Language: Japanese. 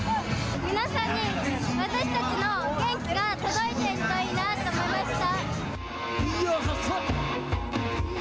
皆さんに私たちの元気が届いているといいなと思いました。